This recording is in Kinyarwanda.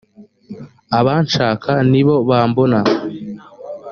abanshaka ni b o bambona